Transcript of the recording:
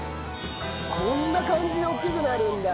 こんな感じで大きくなるんだ。ですね。